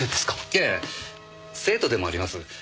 いやいや生徒でもあります。